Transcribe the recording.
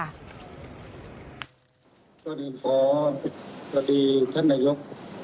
สวัสดีครอบครับสวัสดีท่านนายโยค